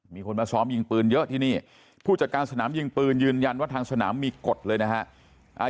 มีคนมาซ้อมยิงปืนเยอะที่นี่ผู้จัดการสนามยิงปืนยืนยันว่าทางสนามมีกฎเลยนะฮะ